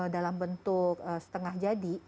dalam bentuk setengah jadi